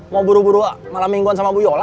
mau buru buru malam mingguan sama bu yola